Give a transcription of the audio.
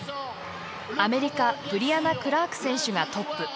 アメリカブリアナ・クラーク選手がトップ。